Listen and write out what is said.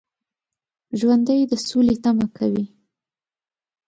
ژوندي د سولې تمه کوي